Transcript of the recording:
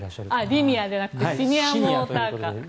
リニアじゃなくてシニアモーターカー。